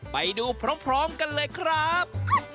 ไปดูพร้อมกันเลยครับ